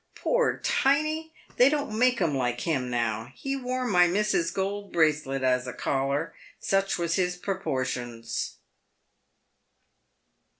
Poor Tiny ! they don't make 'em like him now. He wore my missus's gold bracelet as a collar, such was his propor tions."